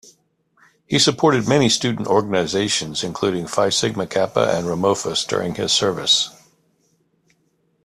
He supported many student organizations including Phi Sigma Kappa and Romophos during his service.